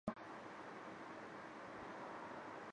锐裂齿顶叶冷水花为荨麻科冷水花属下的一个变种。